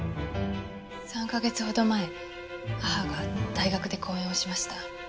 ３か月ほど前母が大学で講演をしました。